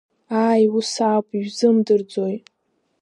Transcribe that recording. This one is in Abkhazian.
Ааи, ус ауп, Ишәзымдырӡои.